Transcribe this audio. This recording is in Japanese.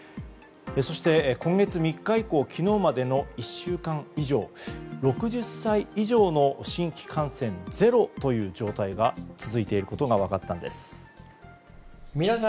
そして今月３日以降昨日までの１週間以上６０歳以上の新規感染ゼロという状態が続いていることが分かったんです。